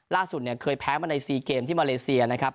ล่าสุดเนี่ยเคยแพ้มาใน๔เกมที่มาเลเซียนะครับ